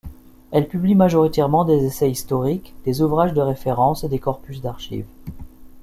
Elle publie majoritairement des essais historiques, des ouvrages de référence et des corpus d'archives.